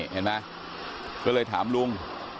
ทุกคนแล้วถามลุง